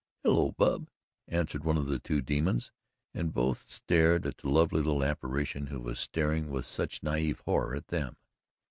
"Hello, Bub," answered one of the two demons, and both stared at the lovely little apparition who was staring with such naive horror at them.